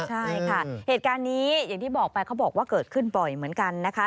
ใช่ค่ะเหตุการณ์นี้อย่างที่บอกไปเขาบอกว่าเกิดขึ้นบ่อยเหมือนกันนะคะ